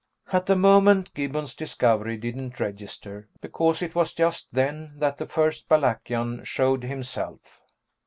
At the moment, Gibbons' discovery didn't register, because it was just then that the first Balakian showed himself.